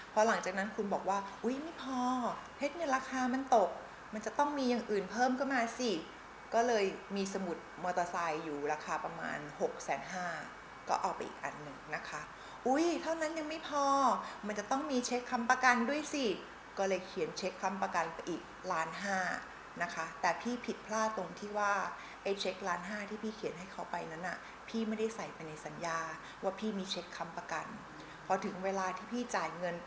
พอหลังจากนั้นคุณบอกว่าอุ้ยไม่พอเท็จเงินราคามันตกมันจะต้องมีอย่างอื่นเพิ่มเข้ามาสิก็เลยมีสมุดมอเตอร์ไซค์อยู่ราคาประมาณหกแสนห้าก็เอาไปอีกอันหนึ่งนะคะอุ้ยเท่านั้นยังไม่พอมันจะต้องมีเช็คคำประกันด้วยสิก็เลยเขียนเช็คคำประกันไปอีกล้านห้านะคะแต่พี่ผิดพลาดตรงที่ว่าไปเช็ค